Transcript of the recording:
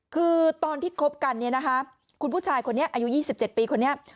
คือตอนที่คบกันเนี่ยนะคะคุณผู้ชายคนนี้อายุ๒๗ปีคนนี้